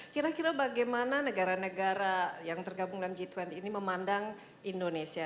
kira kira bagaimana negara negara yang tergabung dalam g dua puluh ini memandang indonesia